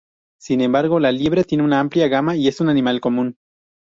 Sin embargo, la liebre tiene una amplia gama y es un animal común.